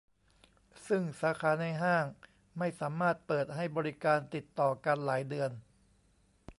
ซึ่งสาขาในห้างไม่สามารถเปิดให้บริการติดต่อกันหลายเดือน